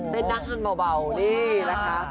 ได้นั่งทั้งเบานี่นะคะ